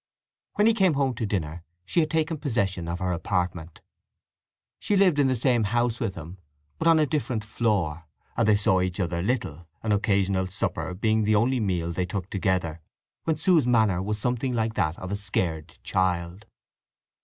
When he came home to dinner she had taken possession of her apartment. She lived in the same house with him, but on a different floor, and they saw each other little, an occasional supper being the only meal they took together, when Sue's manner was something like that of a scared child.